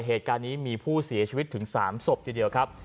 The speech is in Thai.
เหตุการณ์นี้มีผู้เสียชีวิตถึง๓ศพทีเดียวครับ